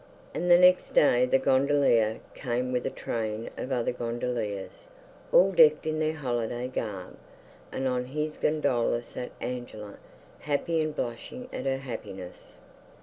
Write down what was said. And the next day the gondolier came with a train of other gondoliers, all decked in their holiday garb, and on his gondola sat Angela, happy, and blushing at her happiness.